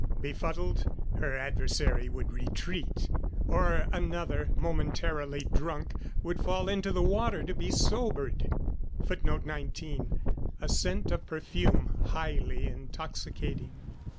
Befuddled, her adversary would retreat; or another, momentarily drunk, would fall into the water to be sobered. [Footnote 19: A scent or perfume, highly intoxicating.